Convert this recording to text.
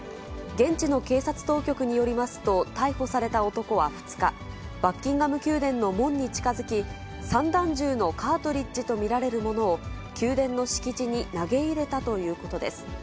現地の警察当局によりますと、逮捕された男は２日、バッキンガム宮殿の門に近づき、散弾銃のカートリッジと見られるものを宮殿の敷地に投げ入れたということです。